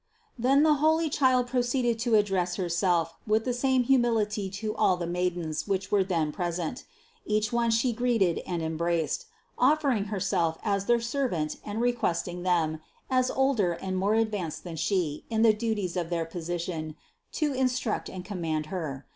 Then the holy Child proceeded to address Her self with the same humility to all the maidens which were then present; each one She greeted and embraced, offering Herself as their servant and requesting them, as older and more advanced than She in the duties of their position, to instruct and command Her.